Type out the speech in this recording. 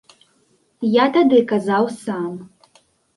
Я тады казаў сам.